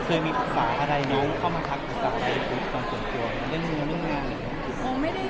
เคยมีศึกษาอะไรหรือเข้ามาทักศึกษาอะไรของส่วนตัวมันได้มีเรื่องแรงหรือเปล่า